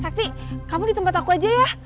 sakti kamu di tempat aku aja ya